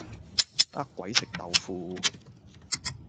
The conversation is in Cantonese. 呃鬼食豆腐